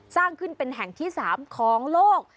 สร้างขึ้นเป็นแห่งที่๓ของโลก